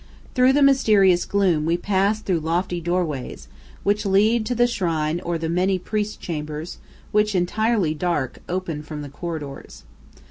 Through the mysterious gloom we pass through lofty doorways, which lead to the shrine or the many priests' chambers, which, entirely dark, open from the corridors.